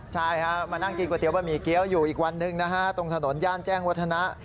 ใช่ฮะมานั่งกินก๋วบะหมี่เกี้ยวอยู่อีกวันหนึ่งนะฮะตรงถนนย่านแจ้งวัฒนะ